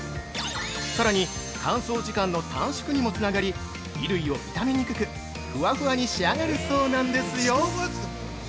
さらに、乾燥時間の短縮にもつながり、衣類を痛めにくく、ふわふわに仕上がるそうなんですよ！